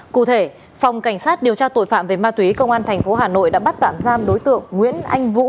cụ thể phòng cảnh sát điều tra tội phạm về ma túy công an tp hà nội đã bắt tạm giam đối tượng nguyễn anh vũ